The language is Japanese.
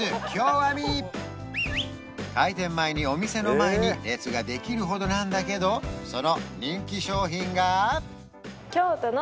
あみ開店前にお店の前に列ができるほどなんだけどその人気商品が何？